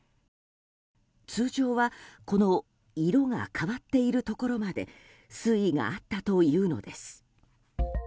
通常はこの色が変わっているところまで水位があったというのです。